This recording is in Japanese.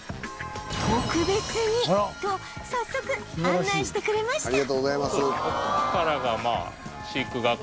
特別にと早速案内してくれました